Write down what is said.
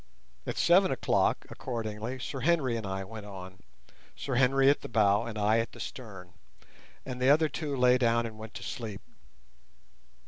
At seven o'clock, accordingly, Sir Henry and I went on, Sir Henry at the bow and I at the stern, and the other two lay down and went to sleep.